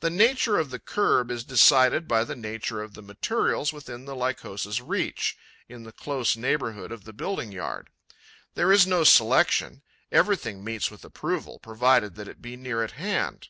The nature of the kerb is decided by the nature of the materials within the Lycosa's reach, in the close neighbourhood of the building yard. There is no selection: everything meets with approval, provided that it be near at hand.